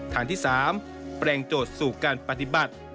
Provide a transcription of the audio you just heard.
ทางที่๓แปลงโจทย์สู่การปฏิบัติ